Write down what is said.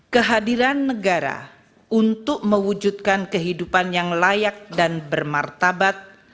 kehadiran negara untuk mewujudkan kehidupan yang layak dan bermartabat